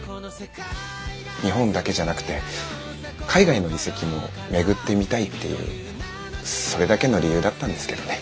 日本だけじゃなくて海外の遺跡も巡ってみたいっていうそれだけの理由だったんですけどね。